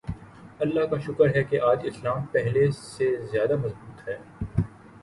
اللہ کا شکر ہے کہ آج اسلام پہلے سے زیادہ مضبوط ہے۔